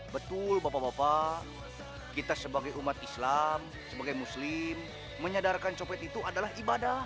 betul bapak bapak kita sebagai umat islam sebagai muslim menyadarkan copet itu adalah ibadah